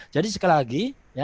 jadi sekali lagi